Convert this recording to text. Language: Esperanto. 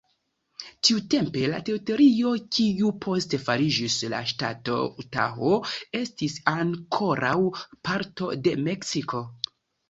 Tiutempe, la teritorio kiu poste fariĝis la ŝtato Utaho, estis ankoraŭ parto de Meksiko.